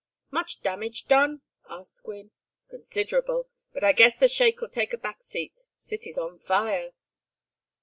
"Much damage done?" asked Gwynne. "Considerable, but I guess the shake'll take a back seat. City's on fire."